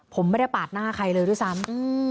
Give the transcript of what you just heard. ผมไม่ได้ปาดหน้าใครเลยด้วยซ้ำ